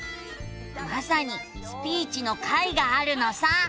まさに「スピーチ」の回があるのさ。